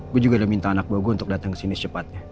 gue juga udah minta anak bau gue untuk datang kesini secepatnya